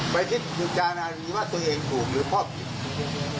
ไปคิดอยู่จานานนี้ว่าตัวเองถูกหรือพ่อผิด